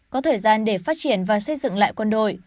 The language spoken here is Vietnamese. có thời gian để phát triển và xây dựng lại quân đội